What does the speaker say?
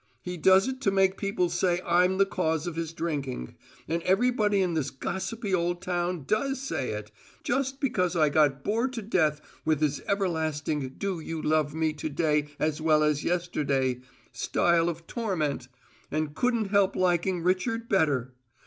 He does it to make people say I'm the cause of his drinking; and everybody in this gossipy old town does say it just because I got bored to death with his everlasting do you love me to day as well as yesterday style of torment, and couldn't help liking Richard better.